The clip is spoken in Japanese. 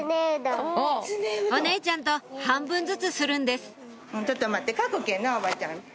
お姉ちゃんと半分ずつするんですちょっと待って書くけんなおばちゃん。